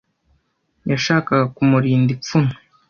Yashakaga kumurinda ipfunwe.